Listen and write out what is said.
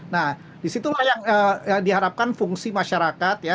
nah di situ lah yang diharapkan fungsi masyarakat ya